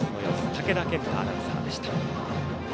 武田健太アナウンサーでした。